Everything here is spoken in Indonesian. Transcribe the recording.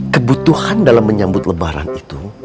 kebutuhan dalam menyambut lebaran itu